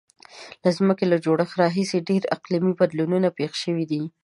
د ځمکې له جوړښت راهیسې ډیر اقلیمي بدلونونه پیښ شوي دي.